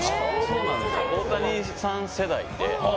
大谷さん世代で。